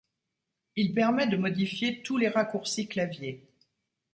Il permet de modifier tous les raccourcis claviers.